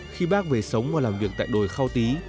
khi bác về sống và làm việc tại đồi khao tý